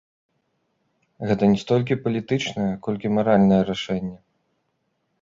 Гэта не столькі палітычнае, колькі маральнае рашэнне.